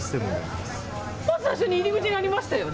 まず最初に入り口にありましたよね。